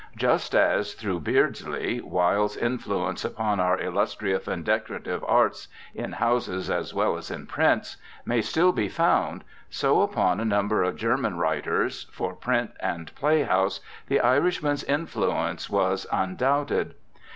Just as, through Beardsley, Wilde's influence upon our illustrative and decorative arts in houses as well as in prints may still be found, so upon a number of Ger man writers, for print and playhouse, the Irishman's influence was undoubted.